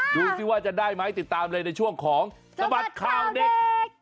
ดูสิว่าจะได้ไหมติดตามเลยในช่วงของสบัดข่าวเด็ก